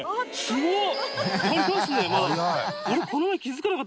すごい！